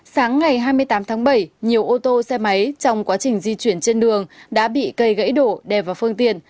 sáng ngày hai mươi tám tháng bảy nhiều ô tô xe máy trong quá trình di chuyển trên đường đã bị cây gãy đổ đè vào phương tiện